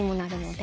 で